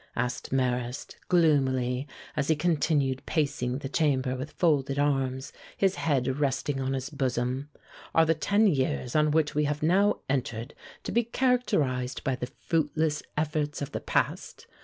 asked Marrast, gloomily, as he continued pacing the chamber with folded arms, his head resting on his bosom. "Are the ten years on which we have now entered to be characterized by the fruitless efforts of the past?